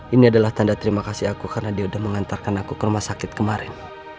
ini adalah tanda terima kasih aku karena dia sudah mengantarkan aku ke rumah sakit kemarin